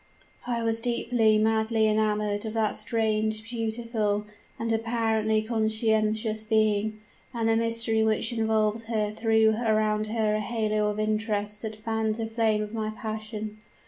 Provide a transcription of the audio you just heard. I was deeply, madly enamored of that strange, beautiful, and apparently conscientious being; and the mystery which involved her threw around her a halo of interest that fanned the flame of my passion.